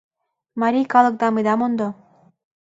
Марий калыкдам ида мондо!